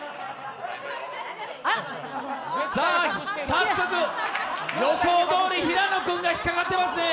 早速予想どおり平野君が引っかかってますね。